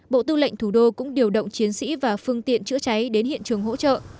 bộ tư lệnh thủ đô cũng điều động chiến sĩ và phương tiện chữa cháy đến hiện trường hỗ trợ